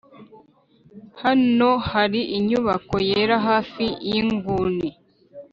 hano hari inyubako yera hafi yinguni.